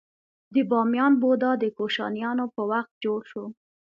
د بامیان بودا د کوشانیانو په وخت جوړ شو